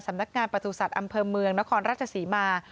นักงานประสุทธิ์อำเภอเมืองนครราชศรีมา